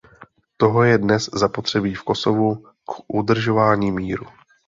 Toho je dnes zapotřebí v Kosovu k udržování míru.